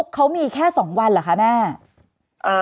เขามีแค่๒วันเหรอคะแม่